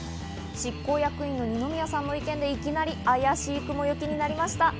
執行役員の二宮さんの意見でいきなり怪しい雲行きになりました。